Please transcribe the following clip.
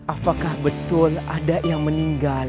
apakah betul ada yang meninggal